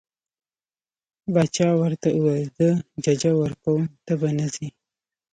باچا ورته وویل زه ججه ورکوم ته به نه ځې.